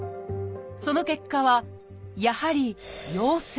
その結果はやはり「陽性」。